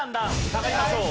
下がりましょう。